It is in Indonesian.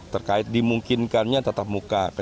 terkait dimungkinkannya tatap muka